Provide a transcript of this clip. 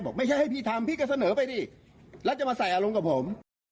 ไม่ใช่ให้พี่ทำพี่ก็เสนอไปดิแล้วจะมาใส่อารมณ์กับผม